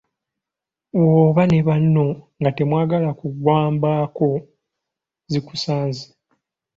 Bw'oba ne banno nga temwagala kugambwako zikusanze.